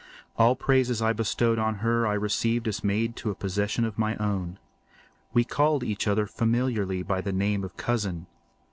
All praises bestowed on her I received as made to a possession of my own. We called each other familiarly by the name of cousin.